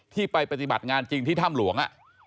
ที่ไปปฏิบัติงานจริงที่ถ้ำหลวง